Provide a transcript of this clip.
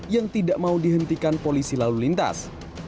yang tidak mau dihentikan polisi lalu lintas